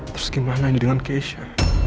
terus gimana ini dengan keisha